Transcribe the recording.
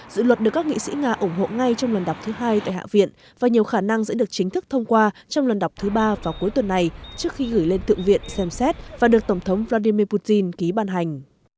dự luật được các nghị sĩ nga ủng hộ ngay trong lần đọc thứ hai tại hạ viện và nhiều khả năng sẽ được chính thức thông qua trong lần đọc thứ ba vào cuối tuần này trước khi gửi lên tượng viện xem xét và được tổng thống vladimir putin ký ban hành